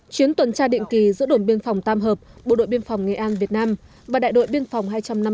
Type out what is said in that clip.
chuyến tuần tra định kỳ giữa đồn biên phòng tam hợp bộ đội biên phòng nghệ an việt nam và đại đội biên phòng hai trăm năm mươi